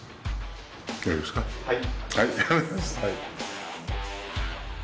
はい。